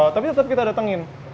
tapi tetep kita datengin